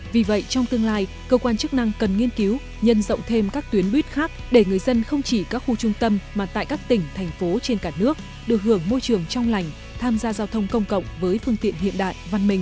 vì vậy trong tương lai cơ quan chức năng cần nghiên cứu nhân rộng thêm các tuyến buýt khác để người dân không chỉ các khu trung tâm mà tại các tỉnh thành phố trên cả nước được hưởng môi trường trong lành tham gia giao thông công cộng với phương tiện hiện đại văn minh